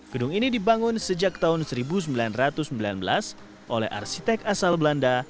gedung ini dibangun sejak tahun seribu sembilan ratus sembilan belas oleh arsitek asal belanda